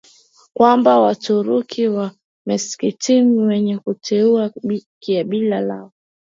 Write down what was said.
kwamba Waturuki wa Meskhetian wenyewe huteua kabila lao